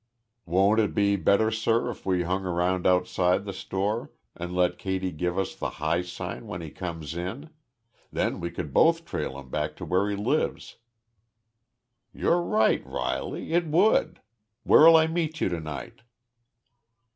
"Wouldn't it be better, sir, if we hung around outside th' store an' let Katy give us the high sign when he come in? Then we could both trail him back to where he lives." "You're right, Riley, it would! Where'll I meet you to night?"